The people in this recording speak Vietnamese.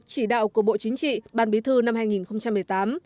chỉ đạo của bộ chính trị ban bí thư năm hai nghìn một mươi tám